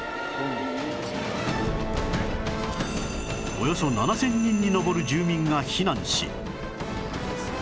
およそ７０００人に上る住民が避難し